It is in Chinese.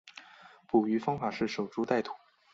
捕鱼方法是守株待兔。